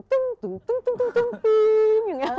ตึงตึงตึงตึงตึงตึง